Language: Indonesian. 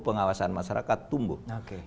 pengawasan masyarakat tumbuh oke